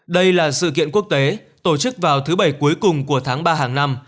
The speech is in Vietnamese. đây là sự kiện quốc tế tổ chức vào thứ bảy cuối cùng của tháng ba hàng năm